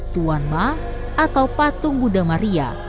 tuan ma atau patung buddha maria